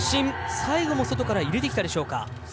最後も外から入れてきたでしょうか。